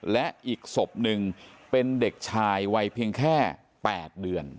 และอีกศพหนึ่งเป็นเด็กชายวัยเพียงแค่๘เดือน